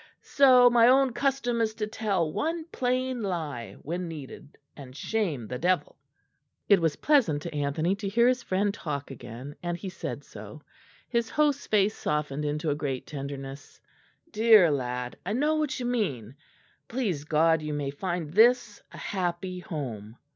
So my own custom is to tell one plain lie when needed, and shame the devil." It was pleasant to Anthony to hear his friend talk again, and he said so. His host's face softened into a great tenderness. "Dear lad, I know what you mean. Please God you may find this a happy home."